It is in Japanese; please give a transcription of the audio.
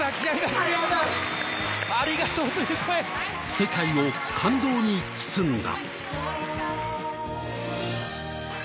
世界を感動に包んだ。